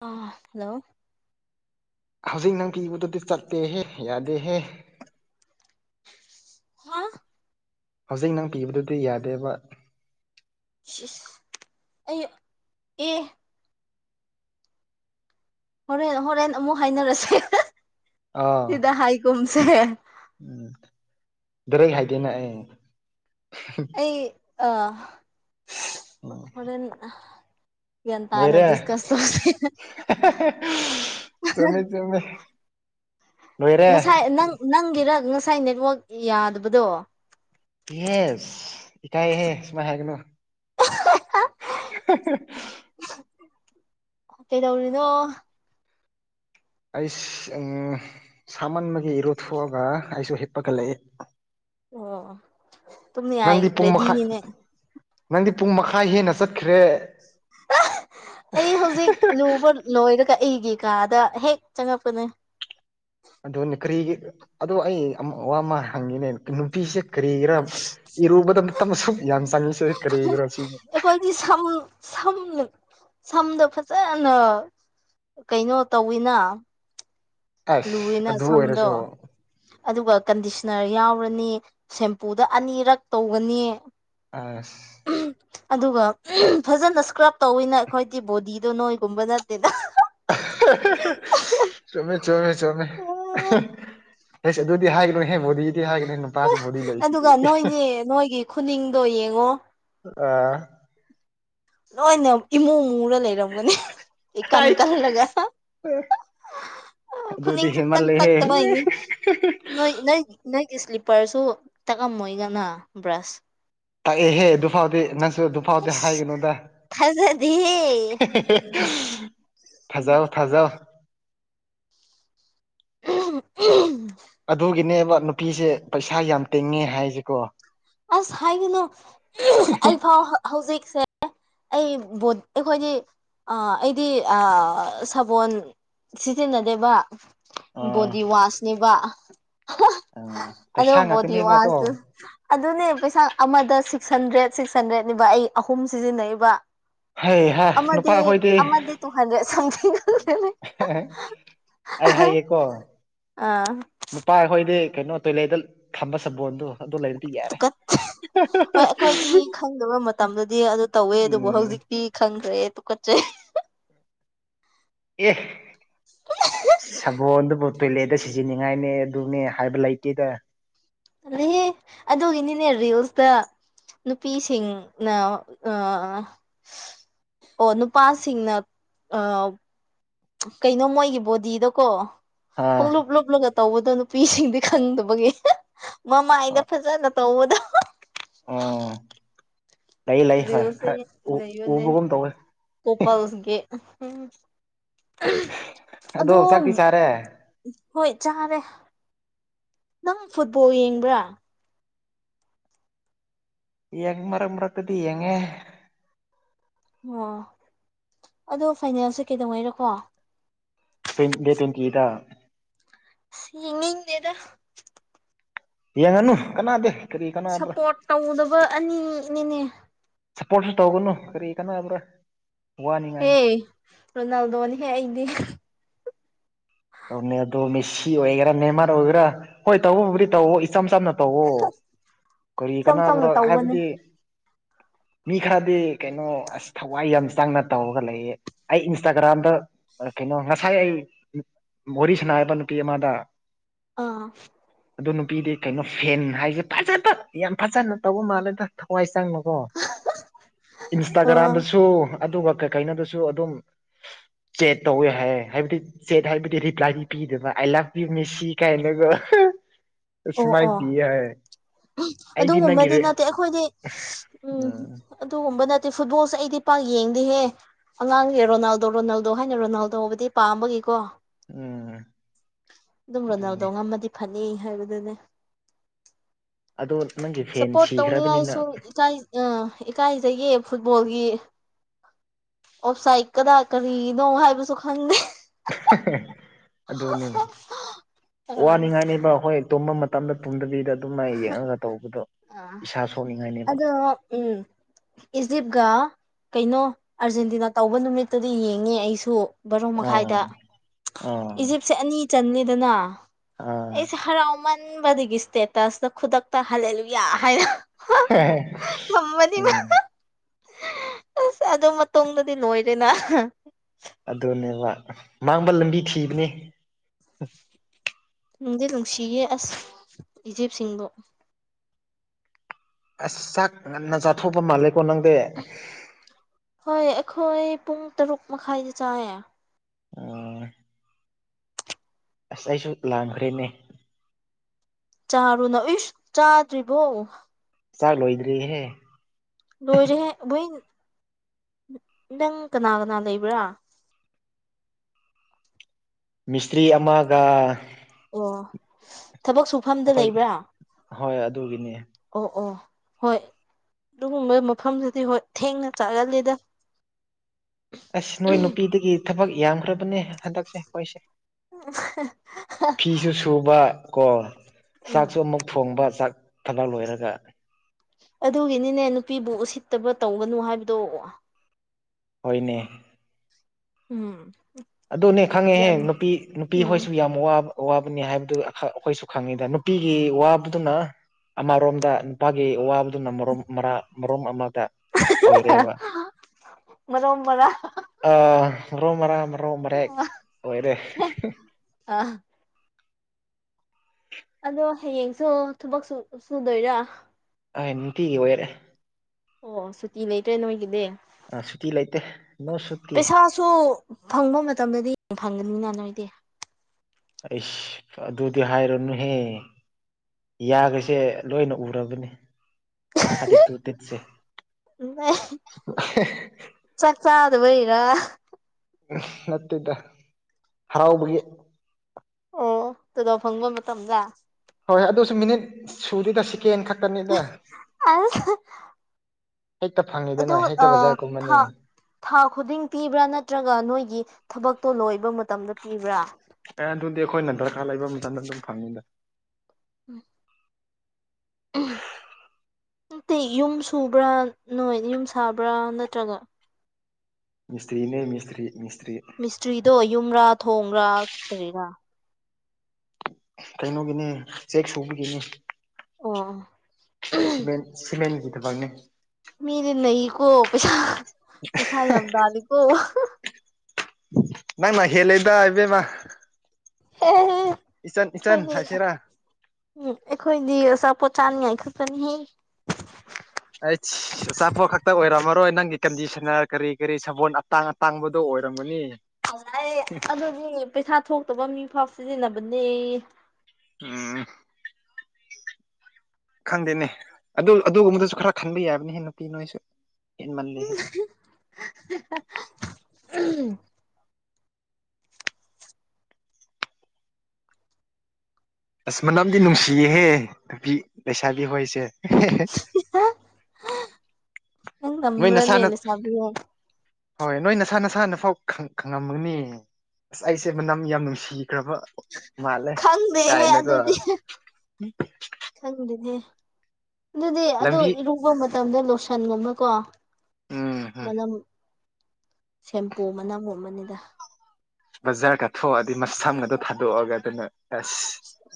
ꯑ ꯍꯜꯂꯣ ꯍꯧꯖꯤꯛ ꯅꯪ ꯀ ꯏꯕꯗꯨꯗꯤ ꯆꯠꯇꯦꯍꯦ ꯌꯥꯗꯦꯍꯦ ꯍꯥ ꯍꯧꯖꯤꯛ ꯅꯪ ꯄꯤꯕꯗꯨꯗꯤ ꯌꯥꯗꯦꯕ ꯁꯤꯁ ꯑꯩ ꯑꯦ ꯍꯣꯔꯦꯟ ꯍꯣꯔꯦꯟ ꯑꯃꯨꯛ ꯍꯥꯏꯅꯔꯁꯦ ꯑꯥ ꯁꯤꯗ ꯍꯥꯏꯒꯨꯝꯁꯦ ꯎꯝ ꯗꯔꯩ ꯍꯥꯏꯗꯦꯅ ꯑꯩ ꯑꯩ ꯑ ꯎꯝ ꯍꯣꯔꯦꯟ ꯌꯦꯟ ꯂꯣꯏꯔꯦ ꯑꯅꯗꯤꯁ ꯀꯁꯦ ꯆꯃꯦ ꯆꯃꯦ ꯑꯣꯏꯔꯦ ꯉꯁꯥꯏ ꯅꯪ ꯅꯪꯒꯤꯔ ꯉꯁꯥꯏ ꯅꯦꯠꯋꯥꯛ ꯌꯥꯗꯕꯗꯣ ꯏꯁ ꯏꯀꯥꯏꯍꯦ ꯁꯨꯃꯥꯏꯅ ꯍꯥꯏꯒꯅꯨ [inaudible] ꯀꯩꯗꯧꯔꯤꯅꯣ ꯑꯩ ꯁꯥꯃꯟꯕꯒꯤ ꯏꯔꯨꯊꯣꯛꯑꯒ ꯑꯩꯁꯨ ꯍꯤꯞꯄꯒ ꯂꯩꯛꯏ ꯑꯣ ꯇꯨꯝꯅꯤꯡꯉꯥꯏ ꯅꯪꯗꯤ ꯄꯨꯡ ꯃꯈꯥꯏ ꯔꯦꯗꯤꯅꯤꯅꯦ ꯅꯪꯗꯤ ꯄꯨꯡ ꯃꯈꯥꯏ ꯍꯦꯟꯅ ꯆꯠꯈ꯭ꯔꯦ ꯑꯩ ꯍꯧꯖꯤꯛ ꯂꯨꯕ ꯂꯣꯏꯔꯒ ꯑꯩꯒꯤ ꯀꯥꯗ ꯍꯦꯛ ꯆꯪꯉꯛꯄꯅꯦ ꯑ ꯀꯔꯤꯒꯤ ꯑꯗꯣ ꯑꯩ ꯋꯥ ꯑꯃ ꯍꯪꯉꯤꯅꯦ ꯅꯨꯄꯤꯁꯦ ꯀꯔꯤ ꯒꯤꯔ ꯏꯔꯨꯕꯗ ꯃꯇꯝ ꯁꯨꯝ ꯌꯥꯝ ꯆꯪꯉꯁꯦ ꯀꯔꯤ ꯒꯤꯔ ꯁꯤ ꯑꯩꯈꯣꯏꯗꯤ ꯁꯝ ꯁꯝ ꯁꯝꯗꯣ ꯐꯖꯅ ꯀꯩꯅꯣ ꯇꯧꯋꯤꯅ ꯑꯁ ꯂꯨꯏꯅ ꯑꯗꯨ ꯁꯝꯗ ꯑꯣꯏꯔꯁꯨ ꯑꯗꯨꯒ ꯀꯟꯗꯤꯁꯅꯔ ꯌꯥꯎꯔꯅꯤ ꯁꯦꯝꯄꯨꯗ ꯑꯅꯤꯔꯛ ꯇꯧꯒꯅꯤ ꯑꯁ ꯑꯗꯨꯒ ꯐꯖꯅ ꯏꯁꯀ꯭ꯔꯕ ꯇꯧꯋꯤꯅ ꯑꯩꯈꯣꯏꯗꯤ ꯕꯣꯗꯤꯗꯣ ꯅꯣꯏꯒꯨꯝꯕ ꯅꯠꯇꯦꯗ [unintelligible] ꯆꯨꯝꯃꯦ ꯆꯨꯝꯃꯦ ꯆꯨꯝꯃꯦ ꯍꯁ ꯑꯗꯨꯗꯤ ꯍꯥꯏꯒꯅꯣ ꯍꯦꯃꯨꯗꯤ ꯍꯥꯏꯒꯅꯦ ꯄꯥꯁ ꯕꯣꯗꯤ ꯂꯩꯁꯤ ꯑꯗꯨꯒ ꯅꯣꯏꯒꯤ ꯅꯣꯏꯒꯤ ꯈꯨꯅꯤꯡꯗꯣ ꯌꯦꯡꯉꯣ ꯑ ꯂꯣꯏꯅ ꯏꯃꯨꯡꯃꯨꯔ ꯂꯩꯔꯝꯒꯅꯤ ꯑꯩ ꯀꯟ ꯍꯥꯏ ꯀꯜꯂꯒ ꯑꯗꯨꯗꯤ ꯐꯅꯤꯡꯁꯨ ꯇ ꯇꯥꯛ ꯍꯦꯟꯃꯜꯂꯦꯍꯦ ꯇ ꯃꯥꯏꯅꯤ ꯅꯣꯏ ꯅ ꯅꯣꯏꯒꯤ ꯁ꯭ꯂꯤꯞꯄꯔꯁꯨ ꯇꯛꯑꯝꯃꯣꯏꯒꯅ ꯕ꯭ꯔꯁ ꯇꯥꯛꯑꯦꯍꯦ ꯑꯗꯨ ꯐꯥꯎꯗꯤ ꯅꯪꯁꯨ ꯑꯗꯨꯐꯥꯎꯗꯤ ꯑꯁ ꯍꯥꯏꯒꯅꯨꯗ ꯊꯥꯖꯗꯦꯍꯦ ꯊꯖꯥꯎ ꯊꯖꯥꯎ [unintelligible] ꯑꯗꯨꯒꯤꯅꯦꯕ ꯅꯨꯄꯤꯁꯦ ꯄꯩꯁꯥ ꯌꯥꯝ ꯇꯤꯡꯉꯦ ꯍꯥꯏꯁꯤꯀꯣ ꯑꯁ ꯍꯥꯏꯒꯅꯨ ꯑꯩꯐꯥꯎ ꯍꯧꯖꯤꯛꯁꯦ ꯑꯩ [unintelligible] ꯑꯩꯈꯣꯏꯗꯤ ꯑꯥ ꯑꯩꯗꯤ ꯑꯥ ꯁꯥꯕꯣꯟ ꯁꯤꯖꯤꯟꯅꯗꯦꯕ ꯑꯥ ꯕꯣꯗꯤ ꯋꯥꯁꯅꯦꯕ ꯑꯥ ꯑꯗꯣ ꯄꯩꯁꯥ ꯕꯣꯗꯤ ꯉꯥꯛꯇꯅꯦꯕꯀꯣ ꯋꯥꯁ ꯑꯗꯨꯅꯦ ꯄꯩꯁꯥ ꯑꯃꯗ ꯁꯤꯛꯁ ꯍꯟꯗ꯭ꯔꯦꯠ ꯁꯤꯛꯁ ꯍꯟꯗ꯭ꯔꯦꯠꯅꯦꯕ ꯑꯩ ꯑꯍꯨꯝ ꯁꯤꯖꯤꯟꯅꯕ ꯍꯩ ꯍꯥ ꯅꯨꯄꯥ ꯑꯃꯗꯤ ꯑꯩꯈꯣꯏꯗꯤ ꯑꯃꯗꯤ ꯇꯨ ꯍꯟꯗ꯭ꯔꯦꯠ [unintelligible] ꯑꯩ ꯍꯥꯏꯌꯦꯀꯣ ꯑꯥ ꯅꯨꯄꯥ ꯑꯩꯈꯣꯏꯗꯤ ꯀꯩꯅꯣ ꯇꯣꯏꯂꯦꯠꯇ ꯊꯝꯕ ꯁꯝꯕꯣꯟꯗꯣ ꯑꯗꯨ ꯂꯩꯔꯗꯤ ꯌꯥꯔꯦ ꯇꯨꯀꯠ ꯍꯣꯏ ꯑꯩꯈꯣꯏꯗꯤ ꯈꯪꯗꯕ ꯃꯇꯝꯗꯗꯤ ꯑꯗꯨ ꯇꯧꯋꯦ ꯑꯗꯨꯕꯨ ꯎꯝ ꯍꯧꯖꯤꯛ ꯄ ꯈꯪꯗ꯭ꯔꯦ ꯇꯨꯀꯠꯆꯩ ꯑꯦ ꯁꯥꯕꯣꯟꯗꯨꯕꯨ ꯇꯣꯏꯂꯦꯠꯇ ꯁꯤꯖꯤꯟꯅꯅꯤꯡꯉꯥꯏꯅꯦ ꯑꯗꯨꯅꯦ ꯍꯥꯏꯕ ꯂꯩꯇꯦꯗ ꯑꯗꯨꯦ ꯑꯗꯨꯒꯤꯅꯤꯅꯦ ꯔꯤꯌꯜꯁꯇ ꯅꯨꯄꯤꯁꯤꯡꯅ ꯑ ꯑꯣ ꯅꯨꯄꯥꯁꯤꯡꯅ ꯑ ꯀꯩꯅꯣ ꯃꯣꯏꯒꯤ ꯕꯣꯗꯤꯗꯀꯣ ꯑꯥ ꯄꯨꯡꯂꯨꯞ ꯂꯨꯞꯂꯒ ꯇꯧꯕꯗꯣ ꯅꯨꯄꯤꯁꯤꯡꯗꯤ ꯈꯪꯗꯕꯒꯤ ꯃꯃꯥꯏꯅ ꯐꯖꯅ ꯇꯧꯕꯗꯣ ꯑꯣ ꯂꯩ ꯂꯩ ꯍꯣꯏ ꯔꯦꯌꯣꯁ ꯈꯔ ꯎ ꯂꯩꯣꯅꯦ ꯎꯕꯒꯨꯝ ꯇꯧꯋꯦ ꯀꯣꯄꯥꯜꯁꯒꯤ ꯑꯗꯣ ꯆꯥꯛꯇꯤ ꯆꯥꯔꯦ ꯍꯣꯏ ꯆꯥꯔꯦ ꯅꯪ ꯐꯨꯠꯕꯣꯜ ꯌꯦꯡꯕ꯭ꯔꯥ ꯌꯦ ꯃꯔ ꯃ꯭ꯔꯛꯇꯗꯤ ꯌꯦꯉꯦ ꯑꯣ ꯑꯗꯣ ꯐꯥꯏꯅꯦꯜꯁꯦ ꯀꯩꯗꯧꯉꯩꯔꯣꯀꯣ ꯇ꯭ꯋ ꯗꯦ ꯇ꯭ꯋꯦꯟꯇꯤꯗ ꯌꯦꯡꯅꯤꯡꯗꯦꯗꯥ ꯌꯦꯡꯉꯅꯨ ꯀꯅꯥꯗꯦ ꯀꯔꯤ ꯀꯅꯥꯕ꯭ꯔꯥ ꯁꯞꯄꯣꯔꯠ ꯇꯧꯗꯕ ꯑꯅꯤꯅꯤꯅꯦ ꯁꯞꯄꯣꯔꯠꯁꯨ ꯇꯧꯒꯅꯨ ꯀꯔꯤ ꯀꯥꯅꯕ꯭ꯔꯥ ꯍꯦ ꯔꯣꯅꯥꯜꯗꯣꯅꯤ ꯍꯦ ꯑꯩꯗꯤ ꯇꯧꯅꯦ ꯑꯗꯣ ꯃꯦꯁꯤ ꯑꯣꯏꯒꯦꯔꯥ ꯅꯦꯃꯥꯔ ꯑꯣꯏꯒꯦꯔꯥ ꯍꯣꯏ ꯇꯧꯕꯕꯨꯗꯤ ꯇꯧ ꯏꯆꯝ ꯆꯝꯅ ꯇꯧꯋ ꯀꯔꯤ ꯏꯆꯝ ꯆꯝꯅ ꯀꯅꯥꯅꯕ꯭ꯔꯥ ꯇꯧꯕꯅꯦ ꯍꯥꯏꯕꯗꯤ ꯃꯤ ꯈꯔꯗꯤ ꯀꯩꯅꯣ ꯑꯁ ꯊꯋꯥꯏ ꯌꯥꯝ ꯆꯪꯅ ꯇꯧꯔꯒ ꯂꯩꯌꯦ ꯑꯩ ꯏꯟꯁꯇꯥꯒ꯭ꯔꯥꯝꯗ ꯀꯩꯅꯣ ꯉꯁꯥꯏ ꯑꯩ ꯃꯣꯔꯤ ꯁꯅꯥꯕ ꯅꯨꯄꯤ ꯑꯃꯗ ꯑꯥ ꯑꯗꯨ ꯅꯨꯄꯤꯗꯤ ꯀꯩꯅꯣ ꯐꯦꯟ ꯍꯥꯏꯁꯦ ꯐꯖꯗ ꯌꯥꯝ ꯐꯖꯅ ꯇꯧꯕ ꯃꯥꯜꯂꯦꯗꯥ ꯍꯋꯥꯏ ꯆꯪꯕꯀꯣ ꯑꯥ ꯏꯟꯁꯇꯥꯒ꯭ꯔꯥꯝꯗꯁꯨ ꯑꯗꯨꯒ ꯀꯩꯀꯩꯅꯣꯗꯨꯁꯨ ꯑꯗꯨꯝ ꯆꯦꯠ ꯇꯧꯋꯦ ꯍꯥꯏꯌꯦ ꯍꯥꯏꯕꯗꯤ ꯆꯦꯠ ꯍꯥꯏꯕꯗꯤ ꯔꯤꯄ꯭ꯂꯥꯏꯗꯤ ꯄꯤꯗꯕ ꯑꯥꯏ ꯂꯞ ꯌꯨ ꯃꯦꯁꯤ ꯀꯥꯏꯅꯒ [unintelligible] ꯑꯣ ꯁꯃꯥꯏ ꯑꯣ ꯄꯤ ꯍꯥꯏꯌꯦ ꯑꯗꯨꯒꯨꯝꯕꯗꯤ ꯅꯠꯇꯦ ꯑꯩꯈꯣꯏꯗꯤ ꯎꯝ ꯑꯗꯨꯒꯨꯝꯕ ꯅꯠꯇꯦ ꯐꯨꯠꯕꯣꯜꯁꯦ ꯑꯩꯗꯤ ꯄꯥꯛ ꯌꯦꯡꯗꯦꯍꯦ ꯑꯉꯥꯡꯁꯦ ꯔꯣꯅꯥꯜꯗꯣ ꯔꯣꯅꯥꯜꯗꯣ ꯍꯥꯏꯅ ꯔꯣꯅꯥꯜꯗꯣ ꯍꯕꯗꯤ ꯄꯥꯝꯕꯒꯤꯀꯣ ꯎꯝ ꯑꯗꯨꯝ ꯔꯣꯅꯥꯜꯗꯣ ꯑꯗꯨꯅꯦ ꯉꯝꯃꯗꯤ ꯐꯅꯤ ꯍꯥꯏꯕꯗꯨꯅꯦ ꯑꯗꯣ ꯅꯪꯒꯤ ꯐꯦꯟ ꯁꯞꯄꯣꯔꯠ ꯁꯤꯈ꯭ꯔꯕꯅꯤꯅ ꯇꯧꯅꯤꯡꯉꯥꯏꯁꯨ ꯏꯀꯥꯏ ꯑ ꯏꯀꯥꯏꯖꯒꯤ ꯐꯨꯠꯕꯣꯜꯒꯤ ꯑꯣꯦꯞꯁꯥꯏꯠ ꯀꯗꯥ ꯀꯔꯤꯅꯣ ꯍꯥꯏꯕꯁꯨ ꯈꯪꯗꯦ ꯑꯗꯨꯅꯤ ꯋꯥꯅꯤꯡꯉꯥꯏꯅꯦꯕ ꯍꯣꯏ ꯇꯣꯝꯕ ꯃꯇꯝꯗ ꯇꯨꯝꯗꯕꯤꯗ ꯑꯗꯨꯝ ꯃꯥꯏ ꯌꯦꯡꯉꯒ ꯇꯧꯕꯗꯣ ꯏꯁꯥ ꯁꯣꯛꯅꯤꯡꯉꯥꯏꯅꯦꯕ ꯑ ꯎꯝ ꯏꯖꯤꯞꯒ ꯀꯩꯅꯣ ꯑꯥꯔꯖꯦꯟꯇꯤꯅꯥ ꯇꯧꯕ ꯅꯨꯃꯤꯠꯇꯨꯗꯤ ꯌꯦꯡꯉꯦ ꯑꯩꯁꯨ ꯕꯥꯔꯨꯡ ꯃꯈꯥꯏꯗ ꯑꯣ ꯑꯣ ꯏꯖꯤꯞ ꯁꯦ ꯑꯅꯤ ꯆꯟꯅꯤꯗꯅ ꯑꯥ ꯑꯩꯁꯦ ꯍꯔꯥꯎꯃꯟꯕꯗꯒꯤ ꯏꯁ꯭ꯇꯦꯠ ꯇꯁ ꯈꯨꯗꯛꯛꯇ ꯍꯂꯂꯕꯤ ꯍꯥꯏ ꯍ ꯊꯃꯅꯤꯃ ꯑꯁ ꯑꯗꯨ ꯃꯇꯨꯡꯗꯗꯤ ꯂꯣꯏꯔꯦꯅ ꯑꯗꯨꯅꯦꯕ ꯃꯥꯡꯕ ꯂꯝꯕꯤ ꯊꯤꯕꯅꯦ ꯅꯨꯡꯗꯤ ꯅꯨꯡꯁꯤꯌꯦ ꯑꯁ ꯏꯖꯤꯦꯞꯁꯤꯡꯕꯨꯣ ꯑꯁ ꯆꯥꯛ ꯉꯟꯅ ꯆꯥꯊꯣꯛꯄ ꯃꯥꯜꯂꯦꯀꯣ ꯅꯪꯗꯤ ꯍꯣꯏ ꯑꯩꯈꯣꯏ ꯄꯨꯡ ꯇꯔꯨꯛ ꯃꯈꯥꯏꯗ ꯆꯥꯏꯌꯦ ꯑꯣ ꯑꯁ ꯑꯩꯁꯨ ꯂꯥꯡꯈ꯭ꯔꯦꯅꯦ ꯆꯥꯔꯣꯅ ꯏꯁ ꯆꯥꯗ꯭ꯔꯤꯕꯣ ꯆꯥꯛ ꯂꯣꯏꯗ꯭ꯔꯤꯍꯦ ꯂꯣꯏꯔꯍꯦ ꯣꯏ ꯅꯪ ꯀꯅꯥ ꯀꯅꯥ ꯂꯩꯕ꯭ꯔꯥ ꯃꯤꯁꯇ꯭ꯔꯤ ꯑꯃꯒ ꯑꯣ ꯊꯕꯛ ꯁꯨꯐꯝꯗ ꯑꯩꯈꯣꯏ ꯂꯩꯕ꯭ꯔꯥ ꯍꯣꯏ ꯑꯗꯨꯒꯤꯅꯦ ꯑꯣ ꯑꯣ ꯍꯣꯏ ꯑꯗꯨꯒꯨꯝꯕ ꯃꯐꯝꯗꯨꯗꯤ ꯍꯣꯏ ꯊꯦꯡꯅ ꯆꯥꯒꯜꯂꯦꯗ ꯑꯁ ꯅꯣꯏ ꯅꯨꯄꯤꯗꯒꯤ ꯊꯕꯛ ꯌꯥꯝꯈ꯭ꯔꯕꯅꯦ ꯍꯟꯗꯛꯁꯦ ꯑꯩꯈꯣꯏꯁꯦ ꯎ [inaudible] ꯐꯤꯁꯨ ꯁꯨꯕ ꯀꯣ ꯎꯝ ꯆꯥꯛꯁꯨ ꯑꯃꯨꯛ ꯊꯣꯡꯕ ꯆꯥꯛ ꯊꯂꯛ ꯂꯣꯏꯔꯒ ꯑꯗꯨꯒꯤꯅꯤꯅꯦ ꯅꯨꯄꯤꯕꯨ ꯎꯁꯤꯠꯇꯕ ꯇꯧꯒꯅꯨ ꯍꯥꯏꯕꯗꯣ ꯍꯣꯏꯅꯦ ꯎꯝ ꯑꯗꯨꯅꯦ ꯈꯪꯉꯦꯍꯦ ꯒ꯭ꯌꯥꯟ ꯅꯨꯄꯤ ꯎꯝ ꯅꯨꯄꯤꯍꯣꯏꯁꯨ ꯌꯥꯝ ꯋꯥꯕ ꯑꯋꯥꯕꯅꯤ ꯍꯥꯏꯕꯗꯨ ꯑꯈ ꯑꯩꯈꯣꯏꯁꯨ ꯈꯪꯉꯤꯗ ꯅꯨꯄꯤꯒꯤ ꯋꯥꯕꯗꯨꯅ ꯑꯃꯔꯣꯝꯗ ꯅꯨꯄꯥꯒꯤ ꯋꯥꯕꯗꯨꯅ ꯃꯔꯣꯝ ꯃꯔꯥ ꯃꯔꯣꯝ ꯑꯃꯗ ꯑꯣꯏꯔꯦꯕ ꯃꯔꯣꯝ ꯃꯔꯥꯡ ꯑ ꯔꯣ ꯃꯔꯥꯡ ꯃꯔ ꯔꯣ ꯃꯔꯦꯛ ꯑꯣꯏꯔꯦ ꯑ ꯑꯗꯣ ꯍꯌꯦꯡꯁꯨ ꯊꯕꯛꯁꯨ ꯁꯨꯗꯣꯏꯔꯥ ꯑꯥꯏ ꯅꯨꯇꯤꯒꯤ ꯑꯣꯏꯔꯦ ꯑꯣ ꯁꯨꯇꯤ ꯂꯩꯇ꯭ꯔꯦ ꯅꯣꯏꯒꯤꯗꯤ ꯑ ꯁꯨꯇꯤ ꯂꯩꯇꯦ ꯅꯣ ꯁꯨꯇꯤ ꯁꯨ ꯐꯪꯕ ꯃꯇꯝꯗꯗꯤ ꯐꯪꯒꯅꯤꯅ ꯅꯣꯏꯗꯤ ꯑꯩꯁ ꯑꯗꯨꯗꯤ ꯍꯥꯏꯔꯅꯨꯍꯦ ꯌꯥꯒꯁꯦ ꯂꯣꯏꯅ ꯎꯔꯕꯅꯤ ꯊꯥꯔꯇꯤꯇꯨ ꯇꯤꯠꯁꯦ [unintelligible] ꯆꯥꯛ ꯆꯥꯗꯕꯩꯔꯥ ꯅꯠꯇꯦꯗ ꯍꯔꯥꯎꯕꯒꯤ ꯑꯣ ꯇꯣꯂꯣꯞ ꯐꯪꯕ ꯃꯇꯝꯂꯥ ꯍꯣꯏ ꯑꯗꯨꯁꯨ ꯃꯤꯅꯤꯠ ꯁꯨꯗꯦꯗ ꯁꯦꯀꯦꯟ ꯈꯛꯇꯅꯦꯗ ꯑꯁ ꯍꯦꯛꯇ ꯑꯗꯨ ꯐꯪꯉꯦꯗꯅ ꯍꯦꯛꯇ ꯑꯥ ꯕꯖꯥꯔ ꯀꯨꯝꯃꯅꯤ ꯊꯥ ꯊꯥ ꯈꯨꯗꯤꯡ ꯄꯤꯕ꯭ꯔꯥ ꯅꯠꯇ꯭ꯔꯒ ꯅꯣꯏꯒꯤ ꯊꯕꯛꯇꯣ ꯂꯣꯏꯕ ꯃꯇꯝꯗ ꯄꯤꯕ꯭ꯔꯥ ꯑꯦ ꯑꯗꯨꯗꯤ ꯑꯩꯈꯣꯏꯅ ꯗꯔꯀꯥꯔ ꯂꯩꯕ ꯃꯇꯝꯗ ꯑꯗꯨꯝ ꯐꯪꯉꯤꯗ ꯎꯝ ꯎ ꯅꯠꯇꯩ ꯌꯨꯝ ꯁꯨꯕ꯭ꯔꯥ ꯅꯣꯏ ꯌꯨꯝ ꯁꯥꯕ꯭ꯔꯥ ꯅꯠꯇ꯭ꯔꯒ ꯃꯤꯁꯇ꯭ꯔꯤꯅꯦ ꯃꯤꯁꯇ꯭ꯔꯤ ꯃꯤꯁꯇ꯭ꯔꯤ ꯃꯤꯁꯇ꯭ꯔꯤꯗꯣ ꯌꯨꯝꯔꯥ ꯊꯣꯡꯔꯥ ꯀꯔꯤꯔꯥ ꯀꯩꯅꯣꯒꯤꯅꯦ ꯆꯦꯛ ꯁꯨꯕꯤꯒꯤꯅꯦ ꯑꯣ ꯁꯤꯃꯦꯟ ꯁꯤꯃꯦꯟꯒꯤ ꯊꯕꯛꯅꯦ ꯃꯤꯗꯤ ꯅꯩꯀꯣ ꯄꯩꯁꯥ ꯄꯩꯁꯥ ꯌꯥꯝ ꯇꯥꯜꯂꯤꯀꯣ ꯅꯪꯅ ꯍꯦꯜꯂꯦꯗꯥ ꯏꯕꯦꯝꯃꯥ ꯑꯦꯍꯦ ꯏꯆꯟ ꯏꯆꯟ ꯈꯣꯏꯗꯤ ꯍꯥꯏꯁꯤꯔꯥ ꯎꯝ ꯑꯩꯈꯣꯏꯗꯤ ꯑꯆꯥꯄꯣꯠ ꯆꯥꯅꯤꯡꯉꯥꯏ ꯈꯛꯇꯅꯤ ꯍꯦ ꯑꯩꯁ ꯑꯆꯥꯄꯣꯠ ꯈꯛꯇ ꯑꯣꯏꯔꯝꯃꯔꯣꯏ ꯅꯪꯒꯤ ꯀꯟꯗꯤꯁꯟꯅꯔ ꯀꯔꯤ ꯀꯔꯤ ꯁꯕꯣꯜ ꯑꯇꯥꯡ ꯇꯥꯡꯕꯗꯣ ꯑꯣꯏꯔꯝꯒꯅꯤ ꯑꯗꯨꯥꯏ ꯑꯗꯨꯗꯤ ꯄꯩꯁꯥ ꯊꯣꯛꯇꯕ ꯃꯤꯐꯥꯎ ꯁꯤꯖꯤꯟꯅꯕꯅꯦ ꯎꯝ ꯈꯪꯗꯦꯅꯦ ꯑꯗꯨ ꯑꯗꯨꯒꯨꯝꯕꯗꯁꯨ ꯈꯔ ꯈꯟꯕ ꯌꯥꯕꯅꯤꯍꯦ ꯅꯨꯄꯤ ꯅꯣꯏꯁꯨ ꯍꯦꯟꯃꯜꯂꯤꯍꯦ [unintelligible] ꯎꯝ ꯑꯁ ꯃꯅꯝꯗꯤ ꯅꯨꯡꯁꯤꯌꯦꯍꯦ ꯅꯨꯄꯤ ꯂꯩꯁꯥꯕꯤ ꯍꯣꯏꯁꯦ ꯅꯪ ꯅꯣꯏ ꯇꯝꯕ꯭ꯔꯅꯦ ꯅꯁꯥꯅ ꯂꯩꯁꯥꯕꯤꯌꯦ ꯍꯣꯏ ꯅꯣꯏ ꯅꯁꯥ ꯅꯁꯥꯅꯐꯥꯎ ꯈꯪꯉꯝꯒꯅꯤ ꯑꯁ ꯑꯩꯁꯦ ꯃꯅꯝ ꯌꯥꯝ ꯅꯨꯡꯁꯤꯈ꯭ꯔꯕ ꯃꯥꯂ ꯀꯥꯏ ꯈꯪꯗꯦꯍꯦ ꯅ ꯀ ꯑꯗꯨꯗꯤ ꯈꯪꯗꯦꯅꯦ ꯑꯗꯨꯗꯤ ꯑꯗꯣ ꯂꯝꯕꯤ ꯏꯔꯨꯕ ꯃꯇꯝꯗ ꯂꯣꯁꯟꯒꯨꯝꯕ ꯀꯣ ꯎꯝ ꯎꯝ ꯃꯅꯝ ꯁꯦꯝꯄꯨ ꯃꯅꯝ ꯑꯣꯏꯨꯝ ꯑꯃꯅꯤꯅꯤꯗ ꯕꯖꯥꯔꯒ ꯊꯣꯛꯑꯗꯤ ꯃꯁꯝꯒꯗꯣ ꯊꯥꯗꯣꯛꯑꯒ ꯑꯗꯨꯅ ꯑꯁ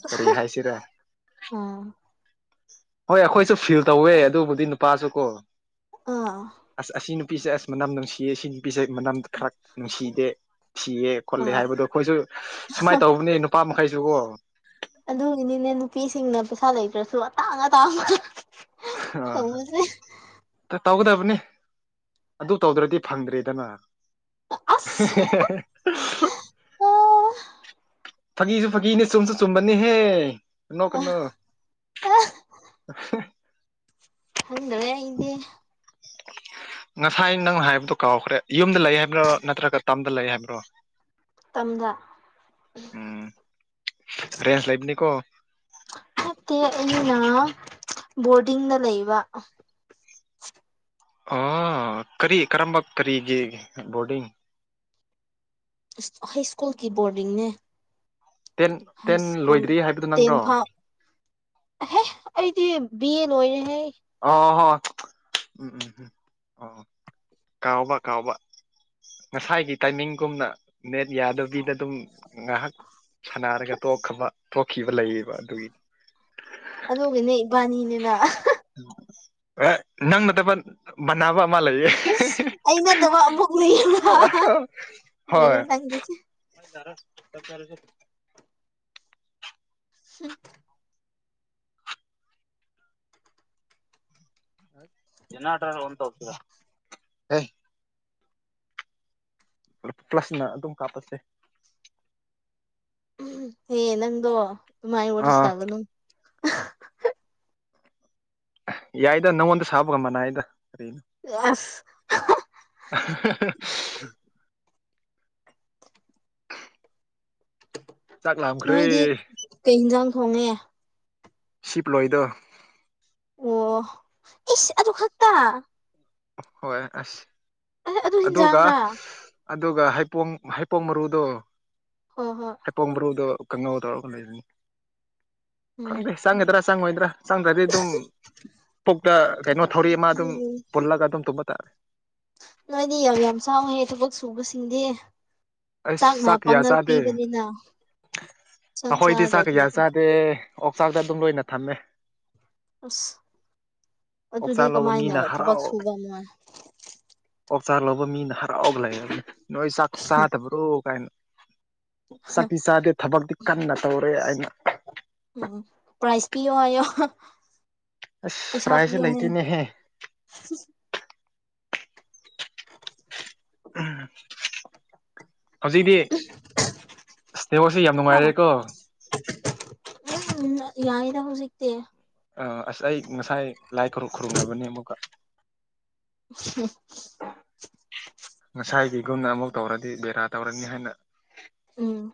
ꯀꯔꯤ ꯍꯥꯏꯁꯤꯔꯥ ꯑꯥ ꯍꯣꯏ ꯑꯩꯈꯣꯏꯁꯨ ꯐꯤꯜ ꯇꯧꯋꯦ ꯑꯗꯨꯕꯨꯗꯤ ꯅꯨꯄꯥꯁꯨ ꯀꯣ ꯑꯥ ꯑꯁ ꯑꯁꯤ ꯅꯨꯄꯤꯁꯦ ꯑꯁ ꯃꯅꯝ ꯅꯨꯡꯁꯤꯌꯦ ꯁꯤ ꯅꯨꯄꯤꯁꯦ ꯃꯅꯝ ꯈꯔ ꯅꯨꯡꯁꯤꯗꯦ ꯁꯤꯌꯦ ꯈꯣꯠꯂꯦ ꯑꯥ ꯍꯥꯏꯕꯗꯣ ꯑꯩꯈꯣꯏꯁꯨ ꯁꯨꯃꯥꯏꯅ ꯇꯧꯕꯅꯦ ꯅꯨꯄꯥ ꯃꯈꯩꯁꯨ ꯀꯣ ꯑꯗꯨꯒꯤꯅꯤꯅꯦ ꯅꯨꯄꯤꯁꯤꯡꯅ ꯄꯩꯁꯥ ꯂꯩꯇ꯭ꯔꯁꯨ ꯑꯇꯥꯡ ꯑꯇꯥꯡꯕ ꯇꯧꯕꯁꯦ [unintelligible] ꯇ ꯇꯧꯒꯗꯕꯅꯤ ꯑꯗꯨ ꯇꯧꯗ꯭ꯔꯗꯤ ꯐꯪꯗ꯭ꯔꯦꯗꯅ ꯑꯁ [unintelligible] ꯑꯥ ꯐꯥꯒꯤꯁꯨ ꯐꯥꯒꯤꯅꯦ ꯆꯨꯝꯁꯨ ꯆꯨꯝꯕꯅꯤꯍꯦ ꯅꯣꯛꯀꯅꯨ ꯊꯗ꯭ꯔꯦ ꯏꯗꯤ ꯉꯁꯥꯏ ꯅꯪꯅ ꯍꯥꯏꯕꯗꯣ ꯀꯥꯎꯈ꯭ꯔꯦ ꯌꯨꯝꯗ ꯂꯩ ꯍꯥꯏꯕ꯭ꯔꯣ ꯅꯠꯇ꯭ꯔꯒ ꯇꯝꯗ ꯂꯩ ꯍꯥꯏꯕ꯭ꯔꯣ ꯇꯝꯗ ꯎꯝ ꯔꯦꯟꯁ ꯂꯩꯕꯅꯤꯀꯣ ꯃꯦ ꯑꯩꯅ ꯕꯣꯔꯗꯤꯡꯗ ꯂꯩꯕ ꯑꯣ ꯀꯔꯤ ꯀꯔꯝꯕ ꯀꯔꯤꯒꯤ ꯕꯣꯔꯗꯤꯡ ꯍꯥꯏ ꯁ꯭ꯀꯨꯜꯀꯤ ꯕꯣꯔꯗꯤꯡꯅꯦ ꯇꯦꯟ ꯍꯥꯏ ꯇꯦꯟ ꯁꯀꯨꯜ ꯂꯣꯏꯗ꯭ꯔꯤ ꯍꯥꯏꯕꯗꯨ ꯇꯦꯜ ꯅꯪꯔꯣ ꯐꯥꯎ ꯍꯦ ꯑꯩꯗꯤ ꯕꯤ. ꯑꯦ. ꯑꯣꯏꯔꯦꯍꯦ ꯑꯣ ꯍꯣꯏ ꯎꯝ ꯎꯝ ꯎꯝ ꯍꯣꯏ ꯀꯥꯎꯕꯥ ꯀꯥꯎꯕꯥ ꯉꯁꯥꯏꯒꯤ ꯇꯥꯏꯃꯤꯡꯒꯨꯝꯅ ꯅꯦꯠ ꯌꯥꯗꯕꯤꯗ ꯑꯗꯨꯝ ꯉꯥꯍꯥꯛ ꯁꯥꯟꯅꯔꯒ ꯇꯣꯛꯈꯕ ꯇꯣꯛꯈꯤꯕ ꯂꯩꯌꯦꯕ ꯑꯗꯨꯒꯤ ꯑꯗꯨꯒꯤꯅꯦ ꯏꯕꯥꯅꯤꯅꯤꯅ ꯑꯦ ꯅꯪ ꯅꯠꯇꯕ ꯃꯅꯥꯕ ꯑꯃ ꯂꯩꯌꯦ ꯑꯁ ꯑꯩ ꯅꯠꯇꯕ ꯑꯃꯨꯕꯨꯛ ꯂꯩ ꯂꯣꯏꯔꯪꯈꯤꯁꯦ ꯃꯩ ꯂꯥꯛꯔ ꯆꯥꯛ ꯆꯔꯁꯦ ꯍꯨꯝ ꯖꯤꯅꯥꯗ꯭ꯔ ꯑꯣꯟ ꯇꯧꯕꯤꯌꯣ ꯍꯦ ꯄ꯭ꯂꯁꯅ ꯑꯗꯨꯝ ꯀꯥꯞꯄꯁꯦ ꯎꯍꯝ ꯍꯦ ꯅꯪꯗꯣ ꯑꯗꯨꯃꯥꯏ ꯋꯥꯔꯤ ꯑꯥ ꯁꯥꯒꯅꯨ ꯌꯥꯏꯗ ꯅꯪꯑꯣꯟꯗ ꯁꯥꯕꯒ ꯃꯅꯩꯗ ꯀꯔꯤꯅꯣ ꯑꯁ [unintelligible] ꯆꯥꯛ ꯂꯝꯈ꯭ꯔꯦ ꯅꯣꯏꯗꯤ ꯀꯩ ꯍꯤꯟꯖꯥꯡ ꯊꯣꯡꯉꯦ ꯁꯤꯞꯂꯣꯏꯗꯣ ꯑꯣ ꯏꯁ ꯑꯗꯨ ꯈꯛꯇꯥ ꯍꯣꯏ ꯑꯁ ꯑꯗꯨ ꯑꯗꯨꯒ ꯍꯤꯟꯖꯥꯡꯔꯥ ꯑꯗꯨꯒ ꯍꯩꯄꯣꯝ ꯍꯩꯄꯣꯝ ꯃꯔꯨꯗꯣ ꯍꯣ ꯍꯣ ꯄꯣꯛꯃꯔꯨꯗꯣ ꯀꯥꯡꯉꯧ ꯇꯧꯔꯒ ꯂꯩꯕꯅꯤ ꯎꯝ ꯈꯪꯗꯦ ꯆꯪꯒꯗ꯭ꯔꯥ ꯆꯪꯉꯣꯏꯗ꯭ꯔꯥ ꯆꯪꯗ꯭ꯔꯗꯤ ꯑꯗꯨꯝ ꯄꯨꯛꯇ ꯀꯩꯅꯣ ꯊꯧꯔꯤ ꯑꯃ ꯑꯗꯨꯝ ꯎꯝ ꯄꯨꯜꯂꯒ ꯑꯗꯨꯝ ꯇꯨꯝꯕ ꯇꯥꯔꯦ ꯅꯣꯏꯗꯤ ꯌꯥꯝ ꯌꯥꯝ ꯆꯥꯎꯅꯦ ꯊꯕꯛ ꯁꯨꯕꯁꯤꯡꯗꯤ ꯑꯩꯁ ꯆꯥꯛꯅ ꯄꯥꯡꯒꯟ ꯄꯤꯕꯅꯤꯅ ꯆꯥꯛ ꯑꯈꯣꯏꯗꯤ ꯆꯥꯛ ꯆꯥꯗ꯭ꯔꯗꯤ ꯀꯌꯥ ꯆꯥꯗꯦ ꯑꯣꯛꯆꯥꯛꯇ ꯑꯗꯨꯝ ꯂꯣꯏꯅ ꯊꯝꯃꯦ ꯑꯁ ꯑꯣꯛꯆꯥꯛ ꯑꯗꯨꯗꯤ ꯀꯃꯥꯏꯅ ꯊꯕꯛ ꯁꯨꯕ ꯃꯣꯏ ꯑꯣꯥꯛ ꯆꯥꯔ ꯂꯧꯕ ꯃꯤꯅ ꯍꯔꯥꯎꯒ ꯂꯩꯔꯅꯤ ꯅꯣꯏ ꯆꯥꯛ ꯆꯥꯗꯕ꯭ꯔꯣ ꯀꯥꯏꯅ ꯁꯛꯇꯤ ꯆꯥꯗꯦ ꯊꯕꯛꯇꯤ ꯀꯟꯅ ꯇꯧꯔꯦ ꯑꯩꯅ ꯎꯝ ꯎꯝ ꯄ꯭ꯔꯥꯏꯁ ꯄꯤꯌꯣ ꯍꯥꯌꯣ ꯑꯁ ꯄꯩꯁꯥ ꯄ꯭ꯔꯥꯏꯖꯁꯦ ꯄꯤꯌꯣꯅꯤꯅ ꯂꯩꯇꯦꯅꯦꯍꯦ ꯎ [unintelligible] [unintelligible] ꯎꯝ ꯍꯧꯖꯤꯛꯤ ꯏꯁꯇꯦꯕꯣꯁꯤ ꯌꯥꯝ ꯍꯥ ꯅꯨꯡꯉꯥꯏꯔꯦꯀꯣ ꯌꯥꯏꯗ ꯍꯧꯖꯤꯛꯇꯤ ꯑꯥ ꯑꯁ ꯑꯩ ꯉꯁꯥꯏ ꯂꯥꯏ ꯈꯨ ꯈꯨꯔꯨꯝꯔꯕꯅꯦ ꯑꯃꯨꯛꯀ ꯍꯨꯝ ꯉꯁꯥꯏꯒꯤꯒꯨꯝꯅ ꯑꯃꯨꯛ ꯇꯧꯔꯗꯤ ꯕꯦꯔꯥ ꯇꯧꯔꯅꯤ ꯍꯥꯏꯅ ꯎꯝ